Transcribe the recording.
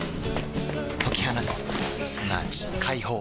解き放つすなわち解放